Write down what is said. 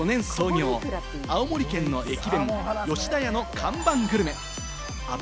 明治２５年創業、青森県の「駅弁吉田屋」の看板グルメ。